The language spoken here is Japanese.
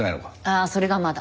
ああそれがまだ。